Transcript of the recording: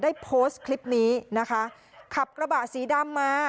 ได้โพสต์คลิปนี้นะคะขับกระบะสีดำมา